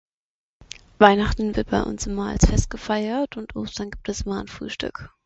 Weihnachten wird bei uns immer als Fest gefeiert und Ostern gibt es ma en Frühstück.